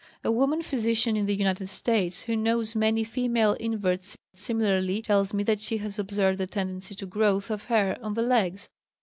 A woman physician in the United States who knows many female inverts similarly tells me that she has observed the tendency to growth of hair on the legs.